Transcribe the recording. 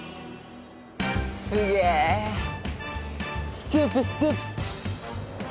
スクープスクープ！